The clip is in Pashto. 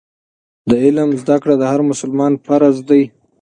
د علم زده کړه د هر مسلمان فرض دی.